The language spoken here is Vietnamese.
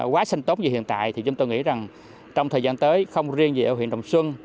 quá trình tốt như hiện tại thì chúng tôi nghĩ rằng trong thời gian tới không riêng về ở huyện đồng xuân